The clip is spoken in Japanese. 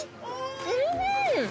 おいしい！